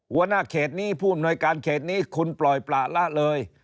หัวหน้าเขตนี้ผู้อำนวยการเขตนี้คุณปล่อยประละเลย